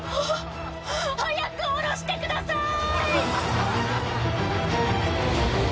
はぁ⁉早く降ろしてくださーい！